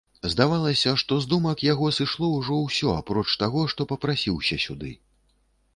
Здавалася, што з думак яго сышло ўжо ўсё, апроч таго, што папрасіўся сюды.